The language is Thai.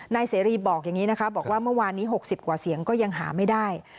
นายเสรีย์บอกว่าเมื่อวานนี้๖๐กว่าเสียงก็ยังหาไม่ได้